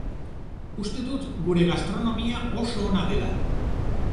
Uste dut gure gastronomia oso ona dela.